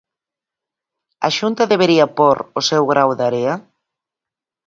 A Xunta debería pór o seu grao de area?